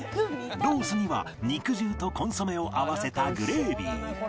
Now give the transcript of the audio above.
ロースには肉汁とコンソメを合わせたグレービー